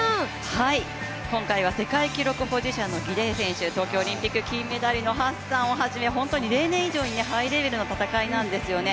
今回は世界記録保持者のギデイ選手、東京オリンピック金メダリストのハッサンをはじめハイレベルな戦いなんですよね。